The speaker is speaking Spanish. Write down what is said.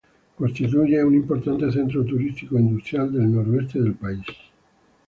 Constituye un importante centro turístico e industrial del noroeste del país.